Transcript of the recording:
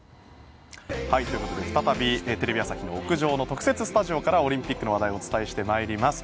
ということで再びテレビ朝日屋上の特設スタジオからオリンピックの話題をお伝えしてまいります。